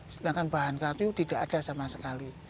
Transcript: sedangkan bahan kayu tidak ada sama sekali